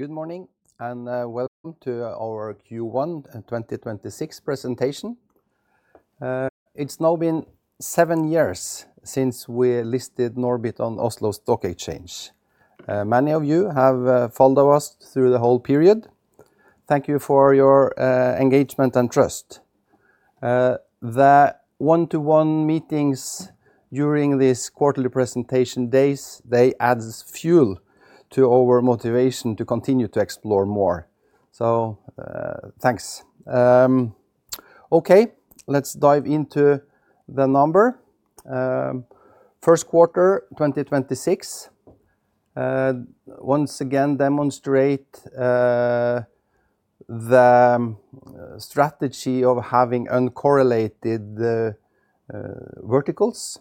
Good morning, welcome to our Q1 2026 presentation. It's now been seven years since we listed NORBIT on Oslo Stock Exchange. Many of you have followed us through the whole period. Thank you for your engagement and trust. The one-to-one meetings during this quarterly presentation days, they adds fuel to our motivation to continue to explore more. Thanks. Okay, let's dive into the number. First quarter 2026 once again demonstrate the strategy of having uncorrelated verticals.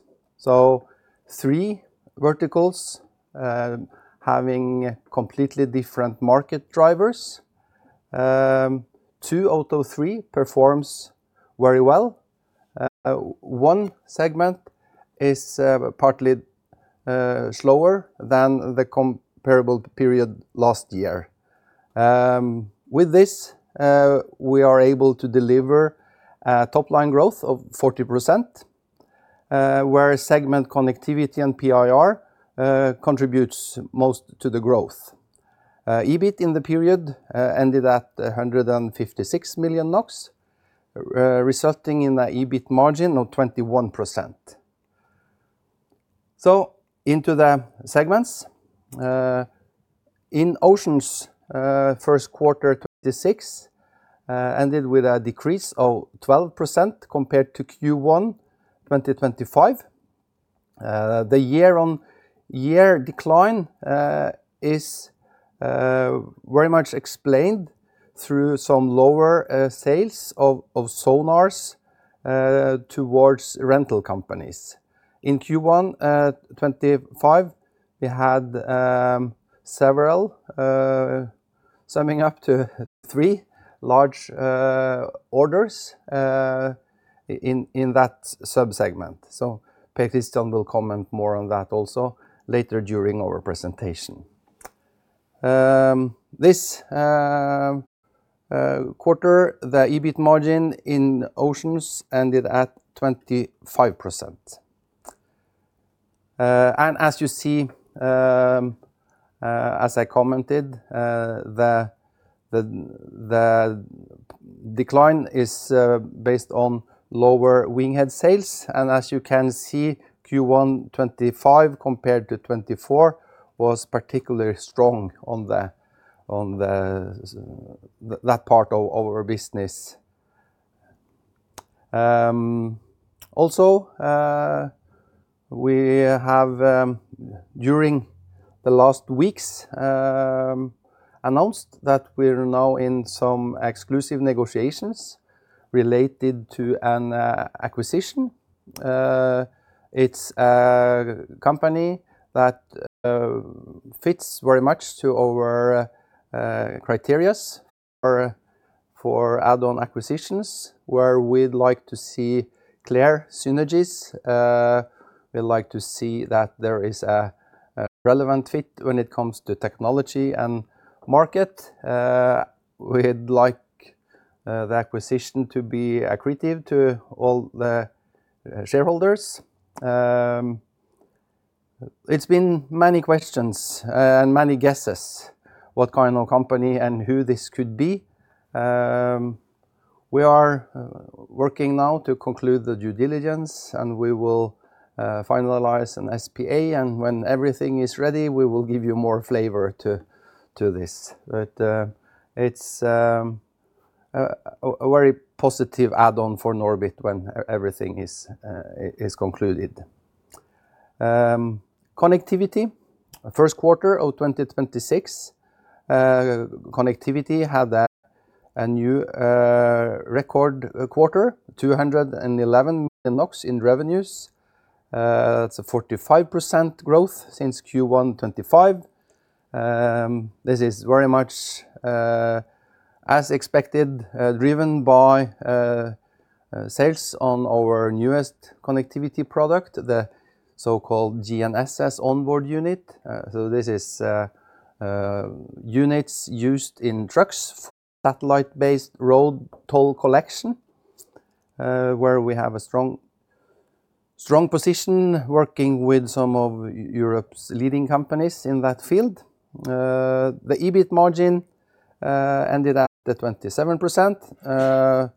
Three verticals, having completely different market drivers. Two out of three performs very well. One segment is partly slower than the comparable period last year. With this, we are able to deliver top-line growth of 40%, where segment Connectivity and PIR contributes most to the growth. EBIT in the period ended at 156 million NOK, resulting in a EBIT margin of 21%. Into the segments. In Oceans, first quarter 2026 ended with a decrease of 12% compared to Q1 2025. The year-on-year decline is very much explained through some lower sales of sonars towards rental companies. In Q1 2025, we had several summing up to three large orders in that sub-segment. Per Kristian will comment more on that also later during our presentation. This quarter, the EBIT margin in Oceans ended at 25%. And as you see, as I commented, the decline is based on lower WINGHEAD sales. As you can see, Q1 2025 compared to 2024 was particularly strong on that part of our business. Also, we have during the last weeks announced that we're now in some exclusive negotiations related to an acquisition. It's a company that fits very much to our criterias for add-on acquisitions, where we'd like to see clear synergies. We'd like to see that there is a relevant fit when it comes to technology and market. We'd like the acquisition to be accretive to all the shareholders. It's been many questions and many guesses what kind of company and who this could be. We are working now to conclude the due diligence, and we will finalize an SPA. When everything is ready, we will give you more flavor to this. It's a very positive add-on for NORBIT when everything is concluded. Connectivity, first quarter of 2026. Connectivity had a new record quarter, 211 million NOK in revenues. That's a 45% growth since Q1 2025. This is very much as expected, driven by sales on our newest Connectivity product, the so-called GNSS On-Board Unit. So this is units used in trucks for satellite-based road toll collection, where we have a strong position working with some of Europe's leading companies in that field. The EBIT margin ended at the 27%,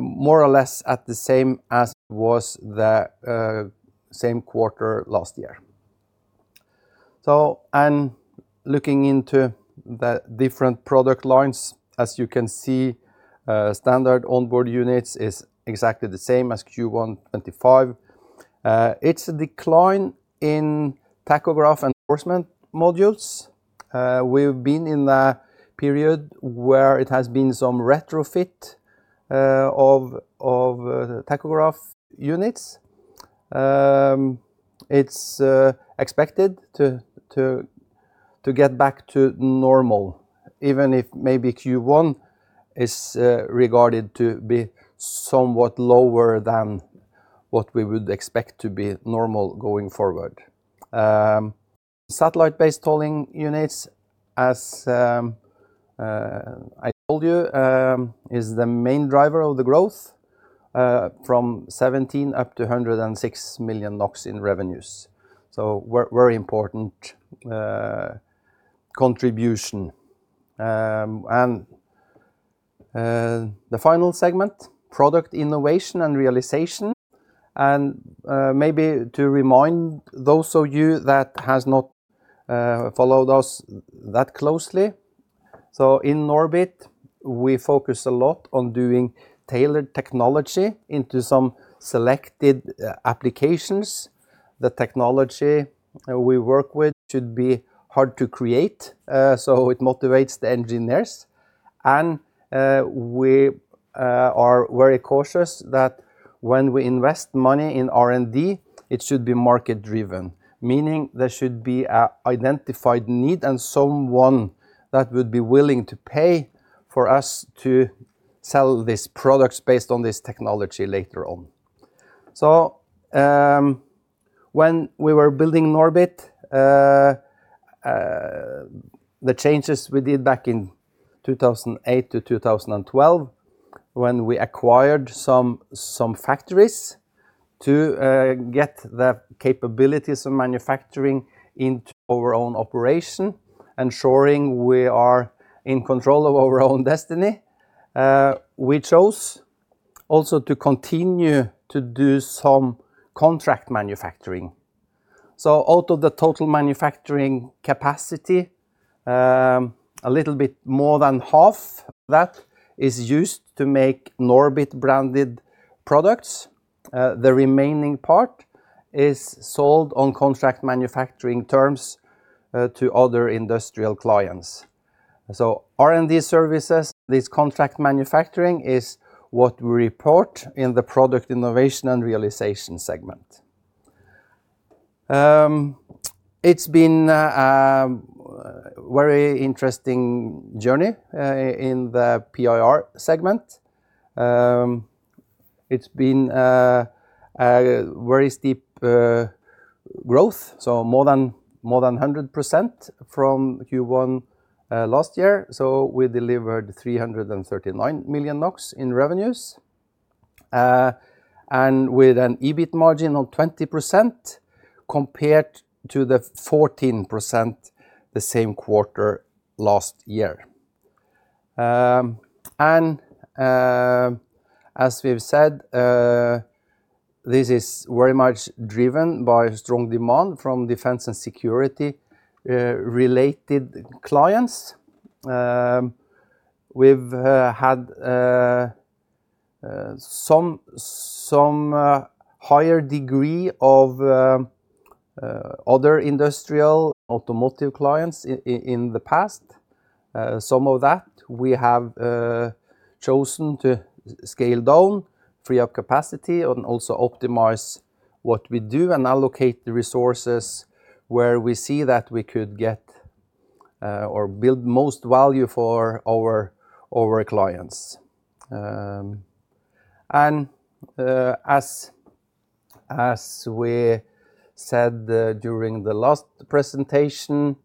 more or less at the same as it was the same quarter last year. Looking into the different product lines, as you can see, standard onboard units is exactly the same as Q1 2025. It's a decline in tachograph enforcement modules. We've been in a period where it has been some retrofit of tachograph units. It's expected to get back to normal, even if maybe Q1 is regarded to be somewhat lower than what we would expect to be normal going forward. Satellite-based tolling units, as I told you, is the main driver of the growth from 17 million up to 106 million NOK in revenues. Very important contribution. The final segment, Product Innovation and Realization. Maybe to remind those of you that has not followed us that closely. In NORBIT, we focus a lot on doing tailored technology into some selected applications. The technology we work with should be hard to create, so it motivates the engineers. We are very cautious that when we invest money in R&D, it should be market-driven, meaning there should be a identified need and someone that would be willing to pay for us to sell these products based on this technology later on. When we were building NORBIT, the changes we did back in 2008 to 2012, when we acquired some factories to get the capabilities of manufacturing into our own operation, ensuring we are in control of our own destiny, we chose also to continue to do some contract manufacturing. Out of the total manufacturing capacity, a little bit more than half of that is used to make NORBIT-branded products. The remaining part is sold on contract manufacturing terms to other industrial clients. R&D services, this contract manufacturing is what we report in the Product Innovation & Realization segment. It's been a very interesting journey in the PIR segment. It's been a very steep growth, more than 100% from Q1 last year. We delivered 339 million NOK in revenues. With an EBIT margin of 20% compared to the 14% the same quarter last year. As we've said, this is very much driven by strong demand from defense and security related clients. We've had some higher degree of other industrial automotive clients in the past. Some of that we have chosen to scale down, free up capacity, and also optimize what we do and allocate the resources where we see that we could get or build most value for our clients. And as we said during the last presentation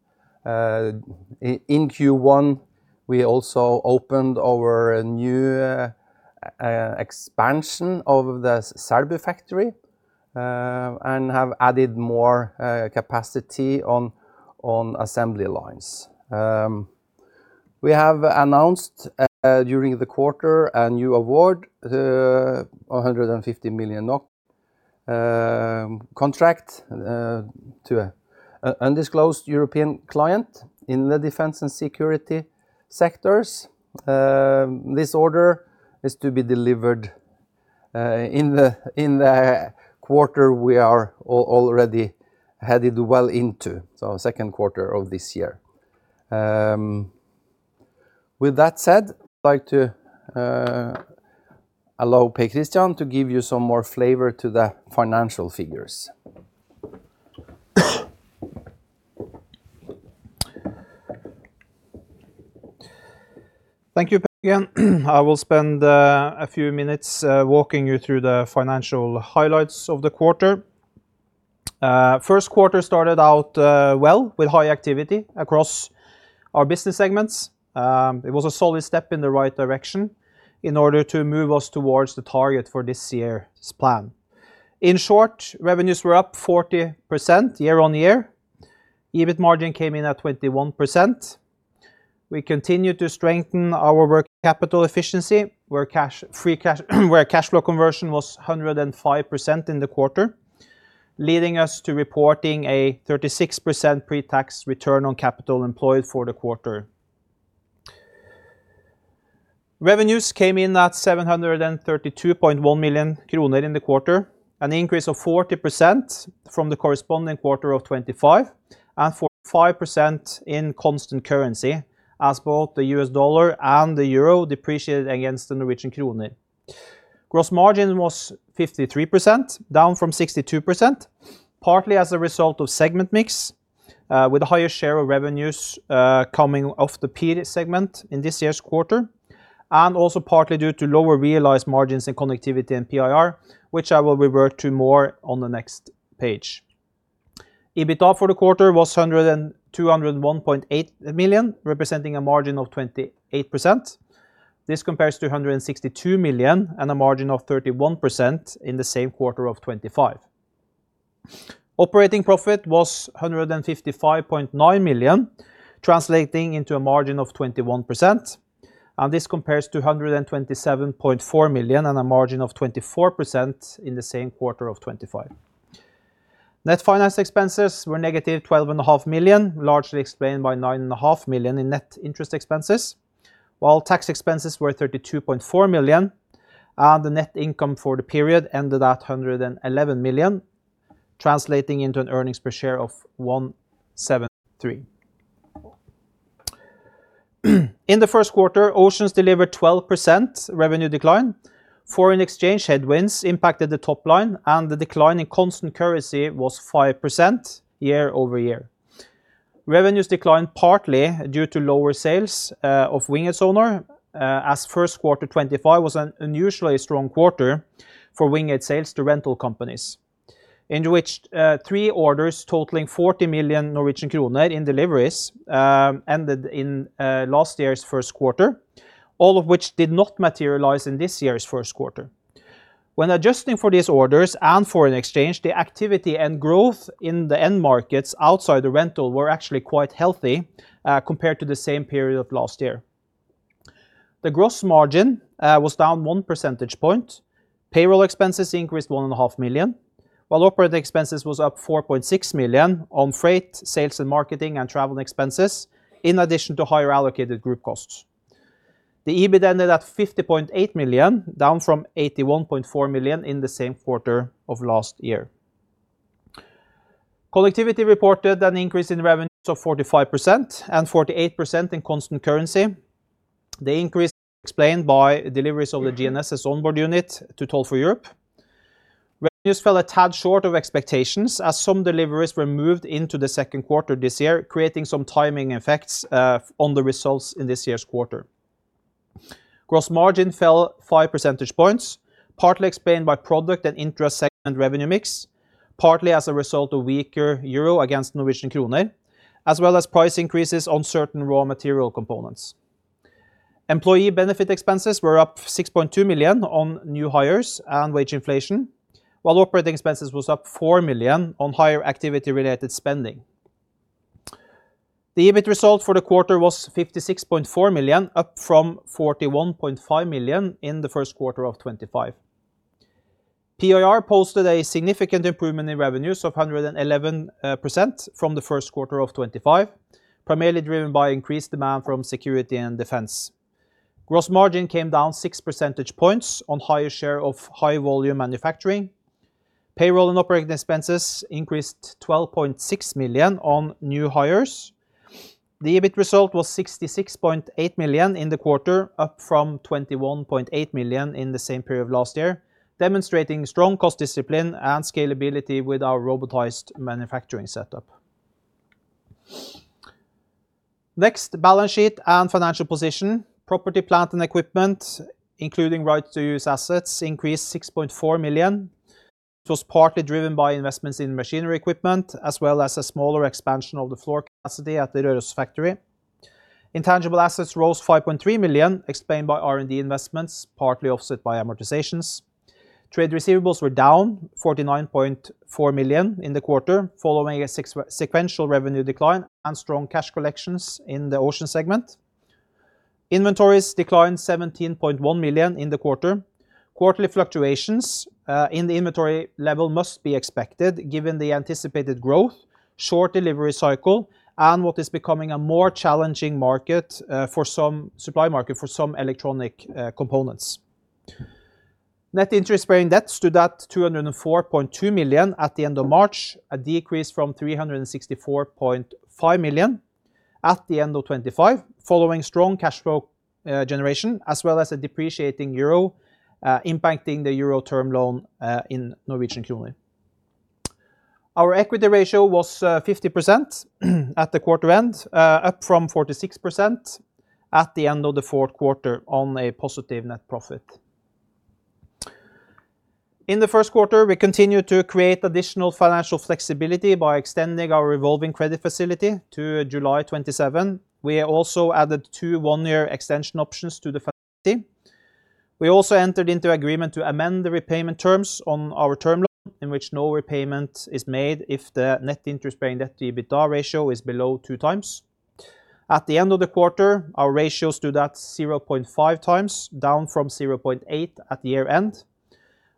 in Q1, we also opened our new expansion of the Selbu factory and have added more capacity on assembly lines. We have announced during the quarter a new award, a 150 million NOK contract to an undisclosed European client in the defense and security sectors. This order is to be delivered in the quarter we are already headed well into, so second quarter of this year. With that said, I'd like to allow Per Kristian to give you some more flavor to the financial figures. Thank you, Per Jørgen. I will spend a few minutes walking you through the financial highlights of the quarter. First quarter started out well with high activity across our business segments. It was a solid step in the right direction in order to move us towards the target for this year's plan. In short, revenues were up 40% year-on-year. EBIT margin came in at 21%. We continued to strengthen our working capital efficiency, where free cash flow conversion was 105% in the quarter, leading us to reporting a 36% pretax return on capital employed for the quarter. Revenues came in at 732.1 million kroner in the quarter, an increase of 40% from the corresponding quarter of 2025 and 45% in constant currency as both the U.S. dollar and the euro depreciated against the Norwegian krone. Gross margin was 53%, down from 62%, partly as a result of segment mix. With a higher share of revenues, coming off the PIR segment in this year's quarter, and also partly due to lower realized margins in Connectivity and PIR, which I will revert to more on the next page. EBITDA for the quarter was 201.8 million, representing a margin of 28%. This compares to 162 million and a margin of 31% in the same quarter of 2025. Operating profit was 155.9 million, translating into a margin of 21%. This compares to 127.4 million and a margin of 24% in the same quarter of 2025. Net finance expenses were -12.5 million, largely explained by 9.5 million in net interest expenses, while tax expenses were 32.4 million. The net income for the period ended at 111 million, translating into an earnings per share of 1.73. In the first quarter, Oceans delivered 12% revenue decline. Foreign exchange headwinds impacted the top line. The decline in constant currency was 5% year-over-year. Revenues declined partly due to lower sales of WINGHEAD sonar, as first quarter 2025 was an unusually strong quarter for WINGHEAD sales to rental companies, into which three orders totaling 40 million Norwegian kroner in deliveries ended in last year's first quarter, all of which did not materialize in this year's first quarter. When adjusting for these orders and foreign exchange, the activity and growth in the end markets outside the rental were actually quite healthy compared to the same period of last year. The gross margin was down 1 percentage point. Payroll expenses increased 1.5 million, while operating expenses was up 4.6 million on freight, sales and marketing and travel expenses, in addition to higher allocated group costs. The EBIT ended at 50.8 million, down from 81.4 million in the same quarter of last year. Connectivity reported an increase in revenues of 45% and 48% in constant currency. The increase explained by deliveries of the GNSS On-Board Unit to Toll4Europe. Revenues fell a tad short of expectations as some deliveries were moved into the second quarter this year, creating some timing effects on the results in this year's quarter. Gross margin fell 5 percentage points, partly explained by product and intra-segment revenue mix, partly as a result of weaker euro against Norwegian krone, as well as price increases on certain raw material components. Employee benefit expenses were up 6.2 million on new hires and wage inflation, while operating expenses was up 4 million on higher activity-related spending. The EBIT result for the quarter was 56.4 million, up from 41.5 million in the first quarter of 2025. PIR posted a significant improvement in revenues of 111% from the first quarter of 2025, primarily driven by increased demand from security and defense. Gross margin came down 6 percentage points on higher share of high-volume manufacturing. Payroll and operating expenses increased 12.6 million on new hires. The EBIT result was 66.8 million in the quarter, up from 21.8 million in the same period of last year, demonstrating strong cost discipline and scalability with our robotized manufacturing setup. Next, balance sheet and financial position. Property, plant, and equipment, including right-of-use assets, increased 6.4 million. It was partly driven by investments in machinery equipment, as well as a smaller expansion of the floor capacity at the Røros factory. Intangible assets rose 5.3 million, explained by R&D investments, partly offset by amortizations. Trade receivables were down 49.4 million in the quarter, following a sequential revenue decline and strong cash collections in the Oceans segment. Inventories declined 17.1 million in the quarter. Quarterly fluctuations in the inventory level must be expected given the anticipated growth, short delivery cycle, and what is becoming a more challenging market for some supply market for electronic components. Net interest-bearing debt stood at 204.2 million at the end of March, a decrease from 364.5 million at the end of 2025, following strong cash flow generation, as well as a depreciating euro, impacting the euro term loan in Norwegian krone. Our equity ratio was 50% at the quarter end, up from 46% at the end of the fourth quarter on a positive net profit. In the first quarter, we continued to create additional financial flexibility by extending our revolving credit facility to July 2027. We also added two one-year extension options to the facility. We also entered into agreement to amend the repayment terms on our term loan in which no repayment is made if the net interest-bearing debt to EBITDA ratio is below 2x. At the end of the quarter, our ratio stood at 0.5x, down from 0.8x at the year-end.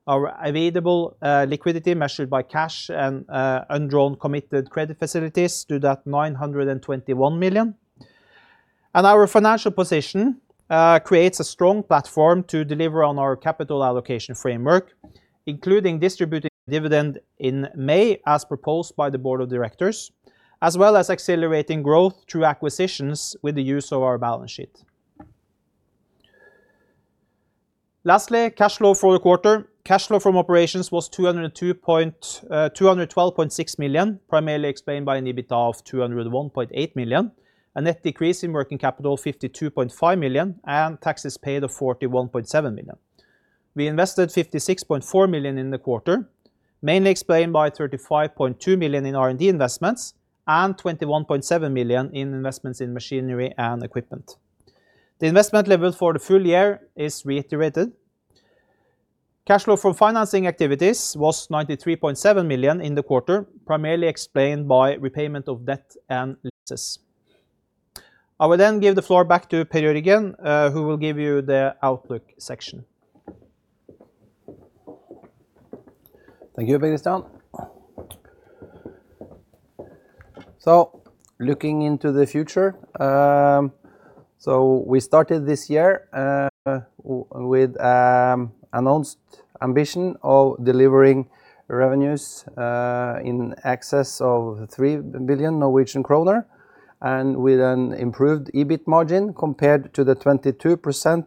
Our available liquidity measured by cash and undrawn committed credit facilities stood at 921 million. Our financial position creates a strong platform to deliver on our capital allocation framework, including distributing dividend in May as proposed by the board of directors, as well as accelerating growth through acquisitions with the use of our balance sheet. Lastly, cash flow for the quarter. Cash flow from operations was 212.6 million, primarily explained by an EBITDA of 201.8 million. A net decrease in working capital of 52.5 million, and taxes paid of 41.7 million. We invested 56.4 million in the quarter, mainly explained by 35.2 million in R&D investments and 21.7 million in investments in machinery and equipment. The investment level for the full year is reiterated. Cash flow from financing activities was 93.7 million in the quarter, primarily explained by repayment of debt and leases. I will then give the floor back to Per Jørgen, who will give you the outlook section. Thank you, Per Kristian. Looking into the future, we started this year with announced ambition of delivering revenues in excess of 3 billion Norwegian kroner and with an improved EBIT margin compared to the 22%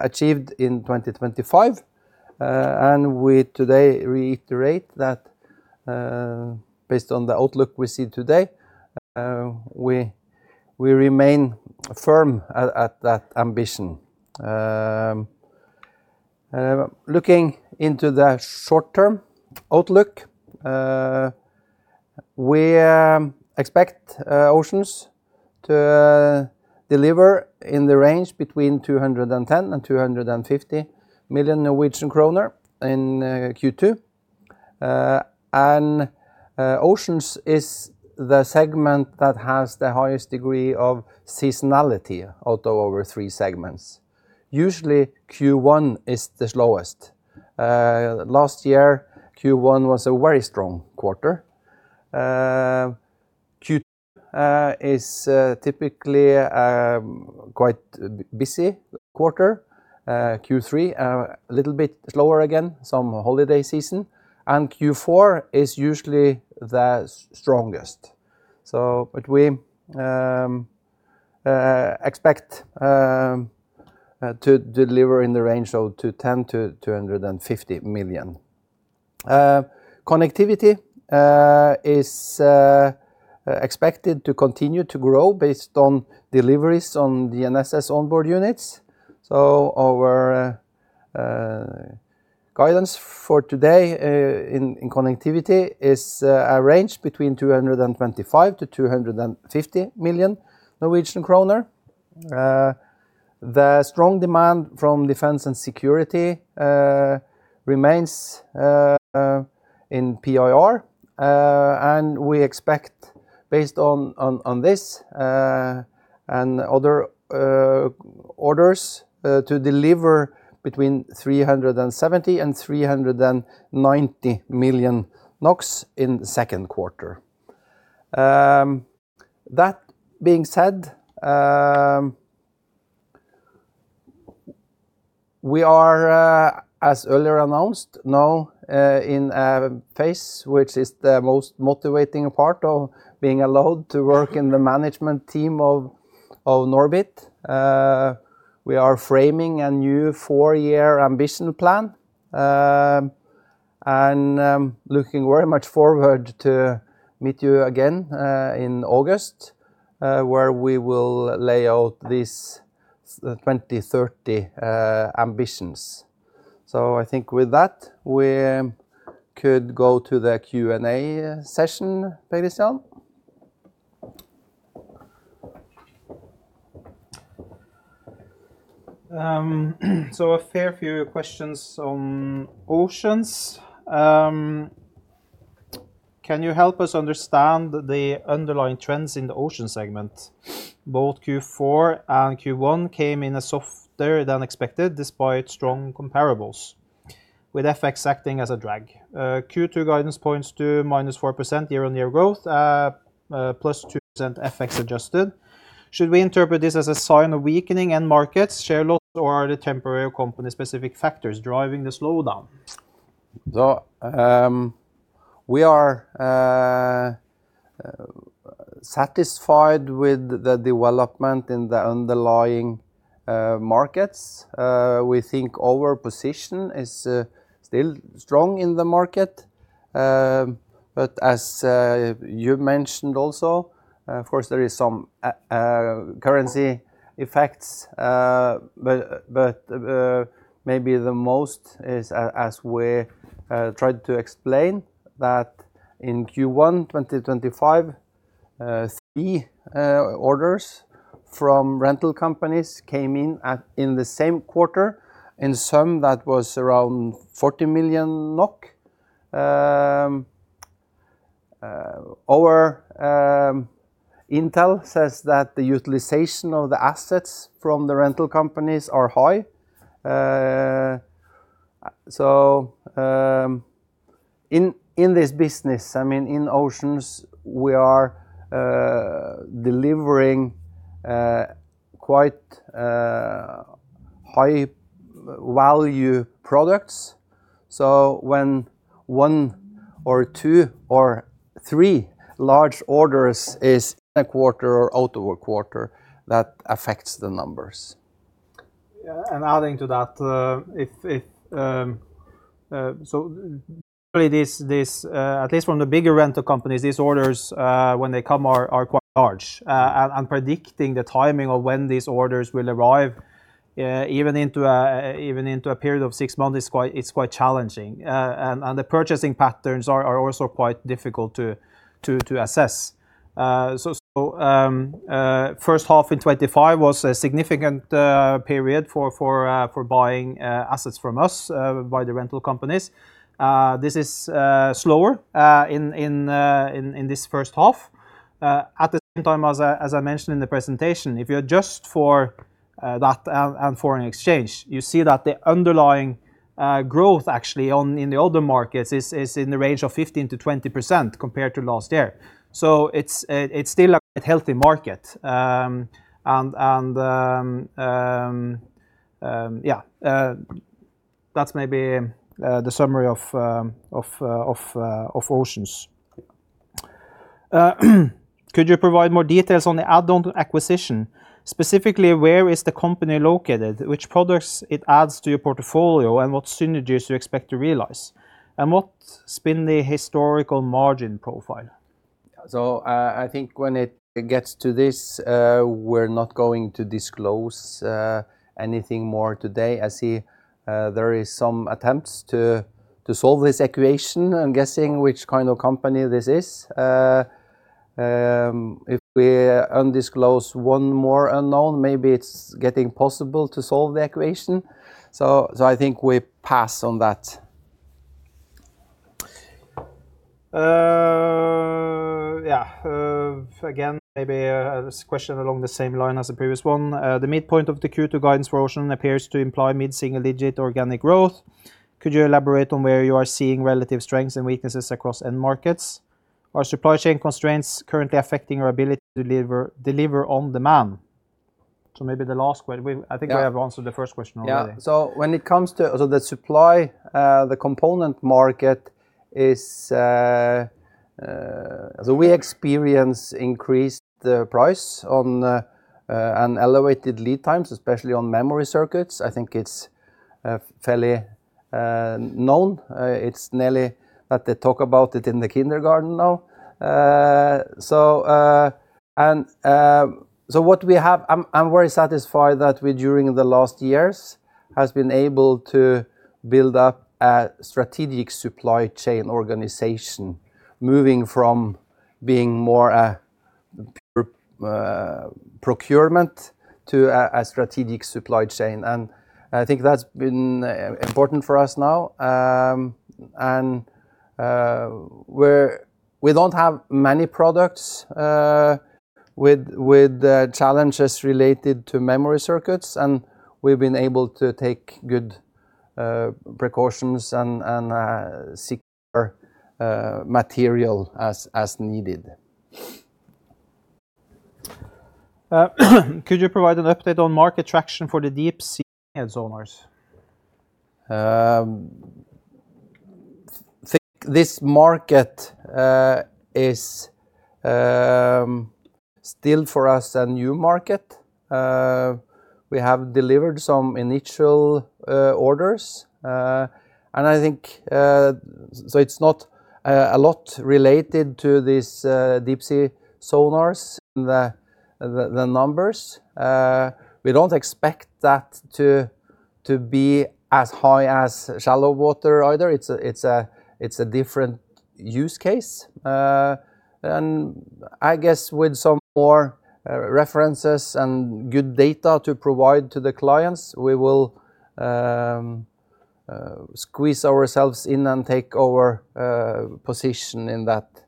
achieved in 2025. We today reiterate that, based on the outlook we see today, we remain firm at that ambition. Looking into the short-term outlook, we expect Oceans to deliver in the range between 210 million and 250 million Norwegian kroner in Q2. Oceans is the segment that has the highest degree of seasonality out of our three segments. Usually, Q1 is the slowest. Last year, Q1 was a very strong quarter. Q2 is typically quite busy quarter. Q3, a little bit slower again, some holiday season, and Q4 is usually the strongest. But we expect to deliver in the range of 210 million-250 million. Connectivity is expected to continue to grow based on deliveries on GNSS On-Board Units. Our guidance for today in Connectivity is a range between 225 million-250 million Norwegian kroner. The strong demand from defense and security remains in PIR, and we expect based on this and other orders to deliver between 370 million-390 million NOK in the second quarter. That being said, we are, as earlier announced, now in a phase which is the most motivating part of being allowed to work in the management team of NORBIT. We are framing a new 4-year ambition plan, and looking very much forward to meet you again in August, where we will lay out these 2030 ambitions. I think with that, we could go to the Q&A session, Per Kristian. A fair few questions on Oceans. Can you help us understand the underlying trends in the Oceans segment? Both Q4 and Q1 came in a softer than expected despite strong comparables, with FX acting as a drag. Q2 guidance points to -4% year-on-year growth, +2% FX adjusted. Should we interpret this as a sign of weakening end markets share loss, or are there temporary company-specific factors driving the slowdown? We are satisfied with the development in the underlying markets. We think our position is still strong in the market. As you mentioned also, of course, there is some currency effects. Maybe the most is, as we tried to explain that in Q1 2025, three orders from rental companies came in in the same quarter. In sum, that was around 40 million NOK. Our intel says that the utilization of the assets from the rental companies are high. In this business, I mean, in Oceans, we are delivering quite high-value products. When one or two or three large orders is in a quarter or out of a quarter, that affects the numbers. Adding to that, if, so really this, at least from the bigger rental companies, these orders, when they come are quite large. Predicting the timing of when these orders will arrive, even into a period of six months is quite challenging. The purchasing patterns are also quite difficult to assess. First half in 2025 was a significant period for buying assets from us by the rental companies. This is slower in this first half. At the same time, as I mentioned in the presentation, if you adjust for that and foreign exchange, you see that the underlying growth actually on, in the older markets is in the range of 15%-20% compared to last year. It's still a quite healthy market. Yeah, that's maybe the summary of Oceans. Could you provide more details on the add-on acquisition? Specifically, where is the company located? Which products it adds to your portfolio, and what synergies do you expect to realize? What's been the historical margin profile? I think when it gets to this, we're not going to disclose anything more today. I see, there is some attempts to solve this equation. I'm guessing which kind of company this is. If we undisclose one more unknown, maybe it's getting possible to solve the equation. I think we pass on that. Yeah. Again, maybe a question along the same line as the previous one. The midpoint of the Q2 guidance for Oceans appears to imply mid-single-digit organic growth. Could you elaborate on where you are seeing relative strengths and weaknesses across end markets? Are supply chain constraints currently affecting your ability to deliver on demand? Maybe the last I think we have answered the first question already. Yeah. When it comes to the supply, we experience increased price on and elevated lead times, especially on memory circuits. I think it's fairly known. It's nearly that they talk about it in the kindergarten now. What we have, I'm very satisfied that we, during the last years, has been able to build up a strategic supply chain organization, moving from being more a procurement to a strategic supply chain. I think that's been important for us now. We don't have many products with the challenges related to memory circuits, and we've been able to take good precautions and secure material as needed. Could you provide an update on market traction for the deep sea sonars? I think this market is still for us a new market. We have delivered some initial orders. I think it's not a lot related to these deep sea sonars in the the the numbers. We don't expect that to be as high as shallow water either. It's a different use case. I guess with some more references and good data to provide to the clients, we will squeeze ourselves in and take over a position in that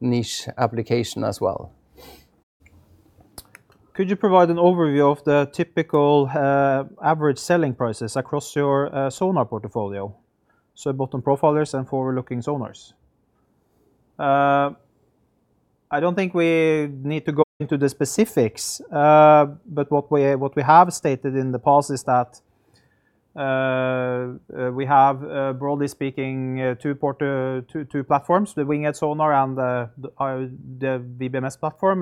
niche application as well. Could you provide an overview of the typical average selling prices across your sonar portfolio? Bottom profilers and forward-looking sonars. I don't think we need to go into the specifics. What we have stated in the past is that, we have, broadly speaking, two platforms, the WINGHEAD sonar and the WBMS platform.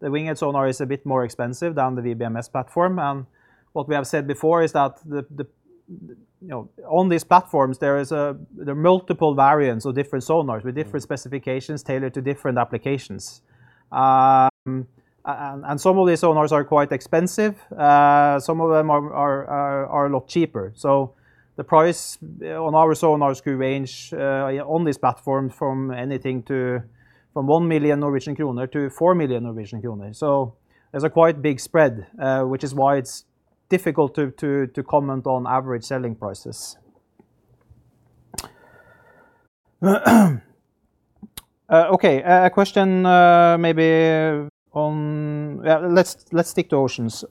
The WINGHEAD sonar is a bit more expensive than the WBMS platform. What we have said before is that, you know, on these platforms, there are multiple variants of different sonars with different specifications tailored to different applications. Some of these sonars are quite expensive. Some of them are a lot cheaper. The price on our sonars could range on this platform from anything to, from 1 million Norwegian kroner- 4 million Norwegian kroner. There's a quite big spread, which is why it's difficult to comment on average selling prices. Okay. A question, maybe on, yeah, let's stick to Oceans.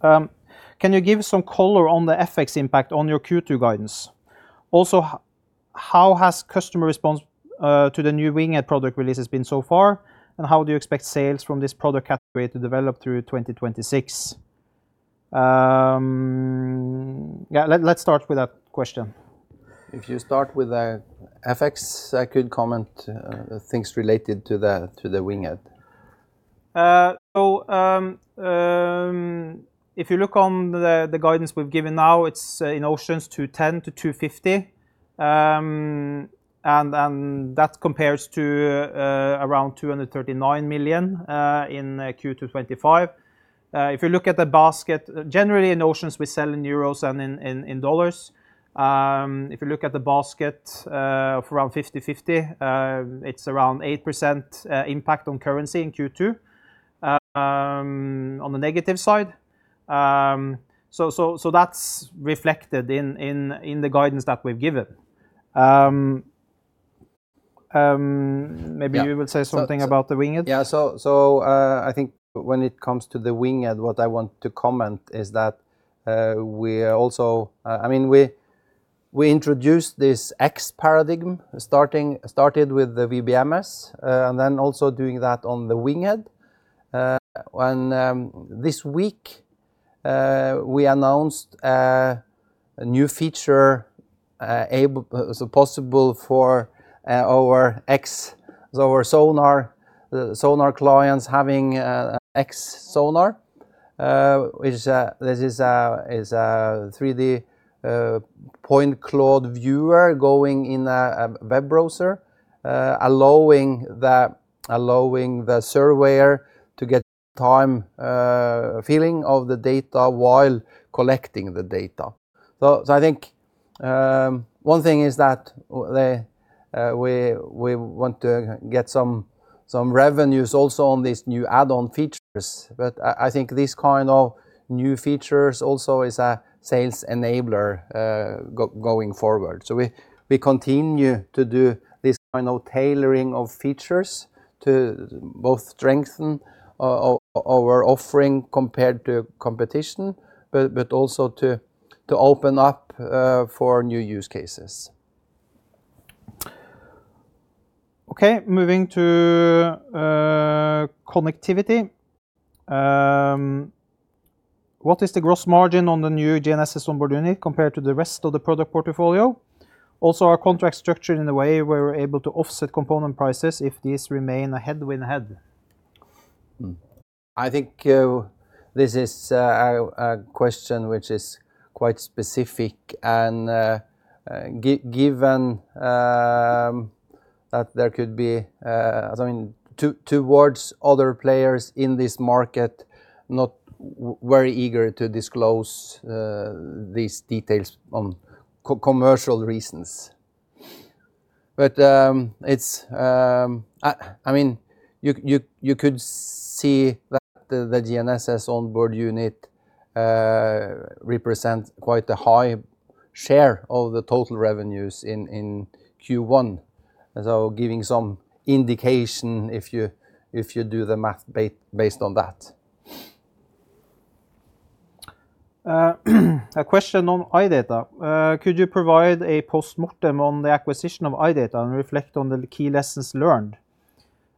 Can you give some color on the FX impact on your Q2 guidance? Also, how has customer response to the new WINGHEAD product releases been so far? How do you expect sales from this product category to develop through 2026? Yeah, let's start with that question. If you start with FX, I could comment things related to the WINGHEAD. If you look on the guidance we've given now, it's in Oceans 210 million-250 million. That compares to around 239 million in Q2 2025. If you look at the basket. Generally in Oceans, we sell in euros and in dollars. If you look at the basket of around 50/50, it's around 8% impact on currency in Q2 on the negative side. That's reflected in the guidance that we've given. Yeah Maybe you will say something about the WINGHEAD. Yeah. I think when it comes to the WINGHEAD, what I want to comment is that we are also I mean, we introduced this WBMS X starting with the WBMS, and then also doing that on the WINGHEAD. When this week, we announced a new feature, possible for our X, so our sonar clients having X sonar, which this is a 3D point cloud viewer going in a web browser, allowing the surveyor to get time feeling of the data while collecting the data. I think one thing is that we want to get some revenues also on these new add-on features. I think these kind of new features also is a sales enabler, going forward. We continue to do this kind of tailoring of features to both strengthen our offering compared to competition, but also to open up for new use cases. Okay, moving to Connectivity. What is the gross margin on the new GNSS On-Board Unit compared to the rest of the product portfolio? Are contracts structured in a way where we're able to offset component prices if these remain a headwind ahead? I think this is a question which is quite specific and, given that there could be, as I mean, towards other players in this market not very eager to disclose these details on commercial reasons. It's, I mean, you could see that the GNSS On-Board Unit represents quite a high share of the total revenues in Q1. So giving some indication if you do the math based on that. A question on iData. Could you provide a postmortem on the acquisition of iData and reflect on the key lessons learned?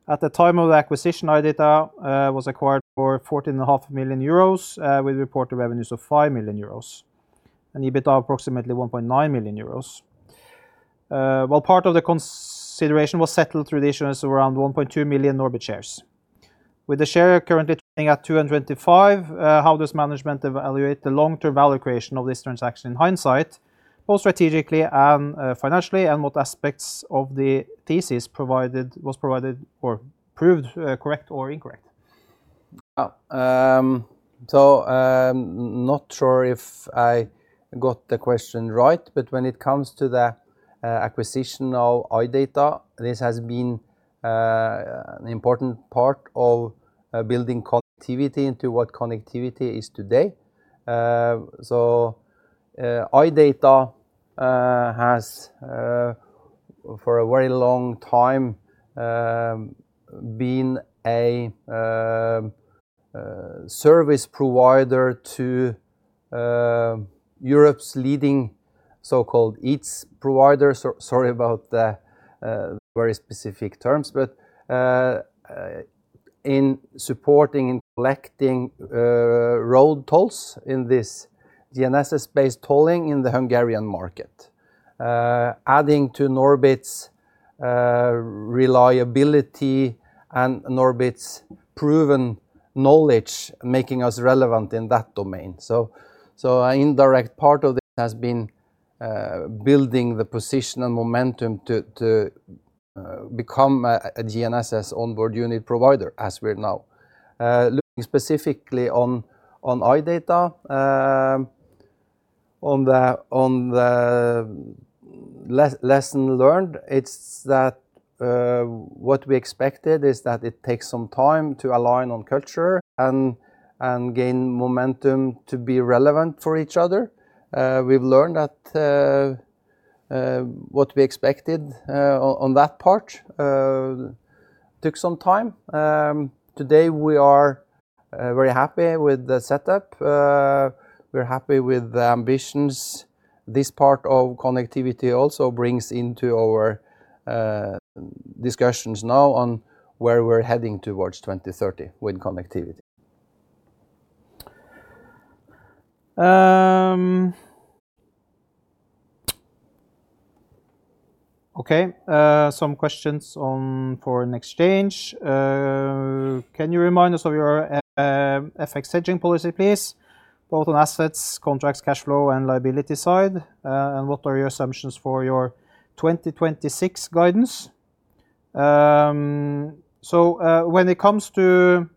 At the time of the acquisition, iData was acquired for 14.5 million euros, with reported revenues of 5 million euros and EBITDA of approximately 1.9 million euros. While part of the consideration was settled through the issuance of around 1.2 million NORBIT shares. With the share currently trading at 2.25, how does management evaluate the long-term value creation of this transaction in hindsight, both strategically and financially, and what aspects of the thesis provided or proved correct or incorrect? Not sure if I got the question right, but when it comes to the acquisition of iData, this has been an important part of building Connectivity into what Connectivity is today. iData has for a very long time been a service provider to Europe's leading so-called EETS providers. Sorry about the very specific terms, but in supporting and collecting road tolls in this GNSS-based tolling in the Hungarian market, adding to NORBIT's reliability and NORBIT's proven knowledge making us relevant in that domain. An indirect part of this has been building the positional momentum to become a GNSS On-Board Unit provider as we are now. Looking specifically on iData, on the lesson learned, it's that what we expected is that it takes some time to align on culture and gain momentum to be relevant for each other. We've learned that what we expected on that part took some time. Today we are very happy with the setup. We're happy with the ambitions. This part of Connectivity also brings into our discussions now on where we're heading towards 2030 with Connectivity. Okay. Some questions on foreign exchange. Can you remind us of your FX hedging policy please, both on assets, contracts, cash flow, and liability side? What are your assumptions for your 2026 guidance? When it comes to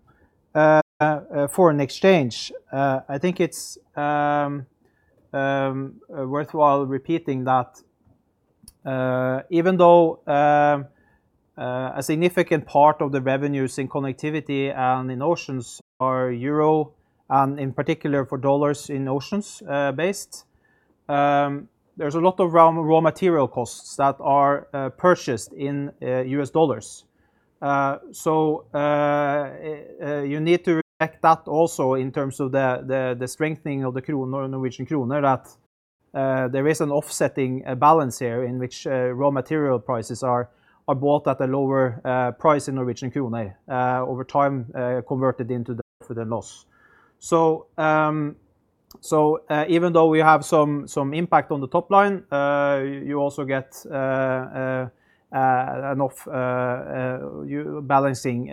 foreign exchange, I think it's worthwhile repeating that even though a significant part of the revenues in Connectivity and in Oceans are euro, and in particular for dollars in Oceans, based, there's a lot of raw material costs that are purchased in U.S. dollars. You need to reflect that also in terms of the strengthening of the krone, Norwegian krone that there is an offsetting balance here in which raw material prices are bought at a lower price in Norwegian krone over time converted into the loss. Even though we have some impact on the top line, you also get you balancing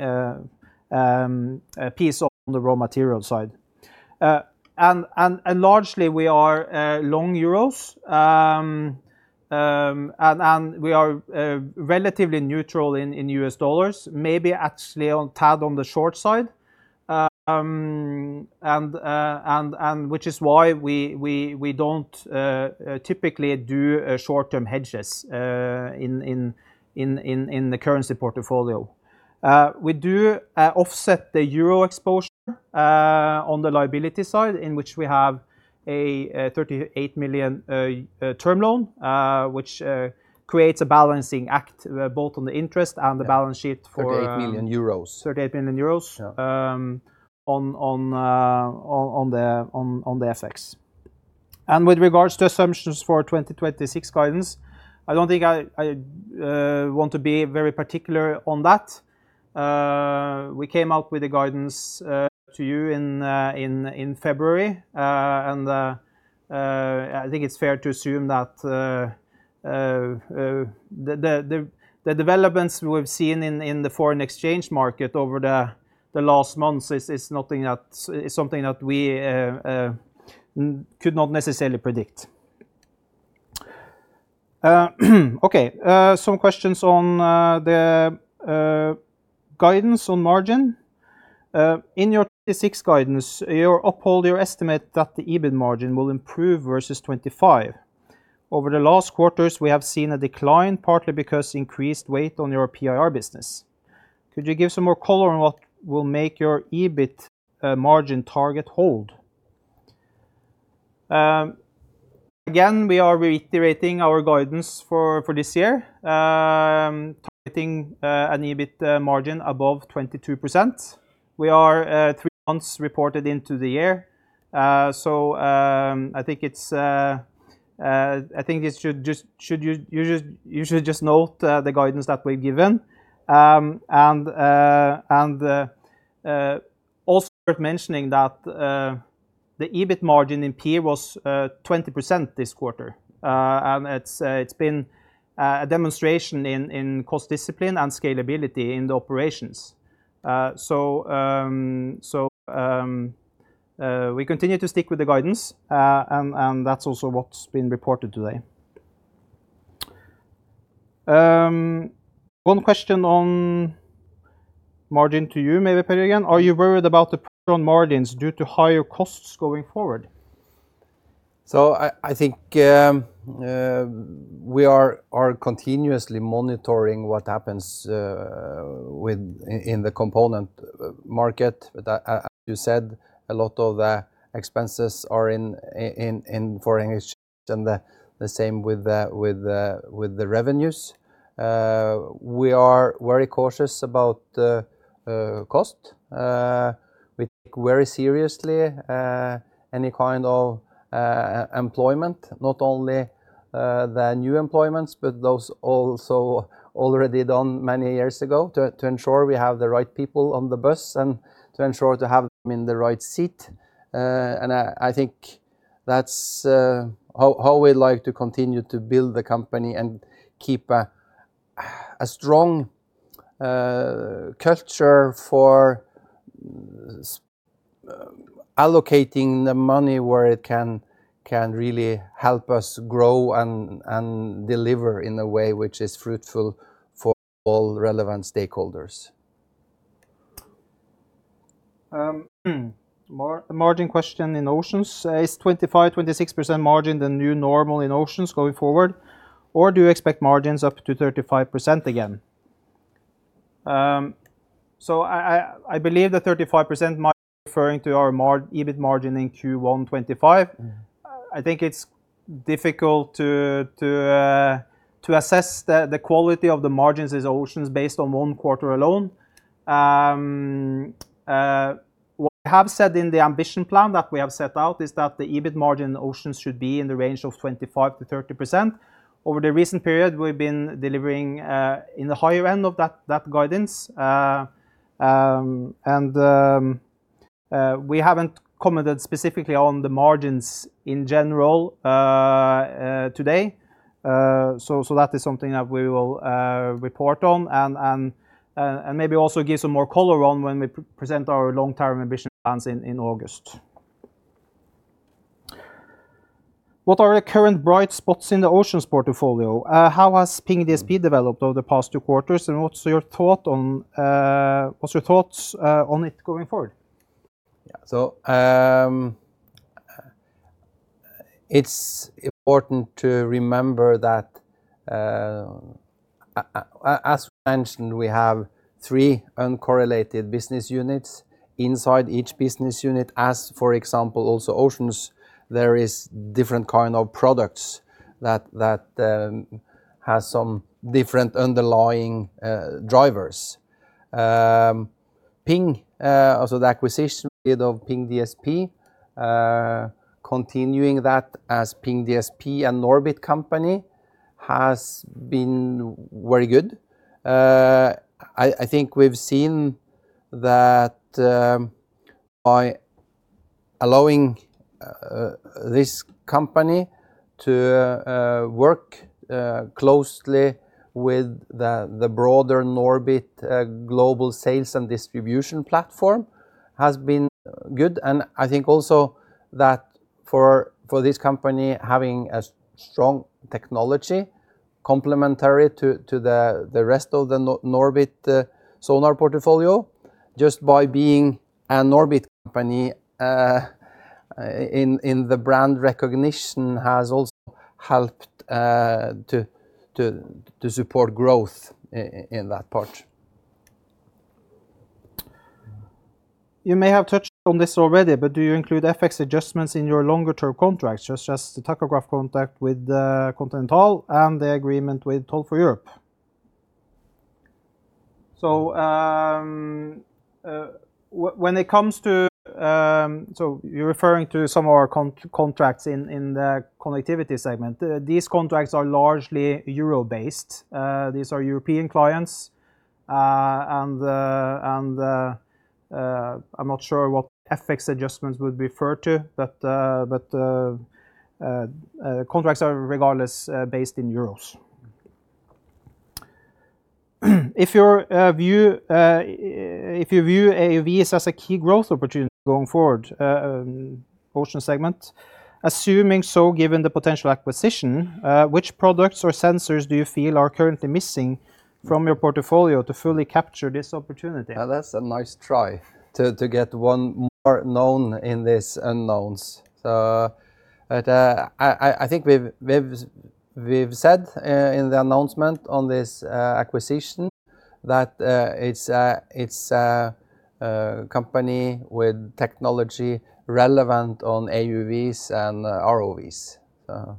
piece on the raw material side. Largely we are long euros. And we are relatively neutral in U.S. dollars, maybe actually on tad on the short side. Which is why we don't typically do short-term hedges in the currency portfolio. We do offset the EUR exposure on the liability side in which we have a 38 million term loan, which creates a balancing act both on the interest and the balance sheet. 38 million euros. 38 million euros. Yeah on the FX. With regards to assumptions for 2026 guidance, I don't think I want to be very particular on that. We came out with the guidance to you in February. I think it's fair to assume that the developments we've seen in the foreign exchange market over the last months is something that we could not necessarily predict. Okay. Some questions on the guidance on margin. In your 2026 guidance, you uphold your estimate that the EBIT margin will improve versus 2025. Over the last quarters, we have seen a decline, partly because increased weight on your PIR business. Could you give some more color on what will make your EBIT margin target hold? Again, we are reiterating our guidance for this year, targeting an EBIT margin above 22%. We are three months reported into the year. I think it should just note the guidance that we've given. Also worth mentioning that the EBIT margin in PIR was 20% this quarter. It's been a demonstration in cost discipline and scalability in the operations. We continue to stick with the guidance. That's also what's been reported today. One question on margin to you maybe, Per Jørgen, again. Are you worried about the pressure on margins due to higher costs going forward? I think, we are continuously monitoring what happens in the component market. As you said, a lot of the expenses are in foreign exchange and the same with the revenues. We are very cautious about cost. We take very seriously any kind of employment, not only the new employments, but those also already done many years ago to ensure we have the right people on the bus and to ensure to have them in the right seat. I think that's how we like to continue to build the company and keep a strong culture for allocating the money where it can really help us grow and deliver in a way which is fruitful for all relevant stakeholders. Margin question in Oceans. Is 25%-26% margin the new normal in Oceans going forward, or do you expect margins up to 35% again? I believe the 35% margin referring to our EBIT margin in Q1 2025. I think it's difficult to assess the quality of the margins in Oceans based on one quarter alone. What we have said in the ambition plan that we have set out is that the EBIT margin in Oceans should be in the range of 25%-30%. Over the recent period, we've been delivering in the higher end of that guidance. We haven't commented specifically on the margins in general today. That is something that we will report on and maybe also give some more color on when we present our long-term ambition plans in August. What are the current bright spots in the Oceans portfolio? How has Ping DSP developed over the past two quarters, and what's your thoughts on it going forward? Yeah. It's important to remember that as we mentioned, we have three uncorrelated business units inside each business unit. As, for example, also Oceans, there is different kind of products that has some different underlying drivers. Ping, also the acquisition we did of Ping DSP, continuing that as Ping DSP and NORBIT company has been very good. I think we've seen that by allowing this company to work closely with the broader NORBIT global sales and distribution platform has been good. I think also that for this company having a strong technology complementary to the rest of the NORBIT sonar portfolio, just by being a NORBIT company in the brand recognition has also helped to support growth in that part. Do you include FX adjustments in your longer term contracts, such as the tachograph contract with Continental and the agreement with Toll4Europe? When it comes to, you are referring to some of our contracts in the Connectivity segment. These contracts are largely euro-based. These are European clients, and I am not sure what FX adjustments would refer to, but contracts are regardless based in euros. If you view AUVs as a key growth opportunity going forward, Oceans segment, assuming so given the potential acquisition, which products or sensors do you feel are currently missing from your portfolio to fully capture this opportunity? That's a nice try to get one more known in this unknowns. But, I think we've said in the announcement on this acquisition that it's a company with technology relevant on AUVs and ROVs, so.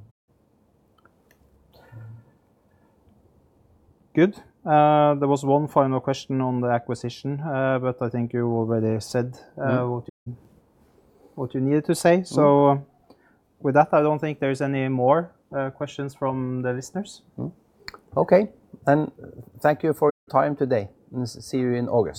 Good. There was one final question on the acquisition. But I think you already said what you needed to say. With that, I don't think there's any more questions from the listeners. Okay. Thank you for your time today, and see you in August.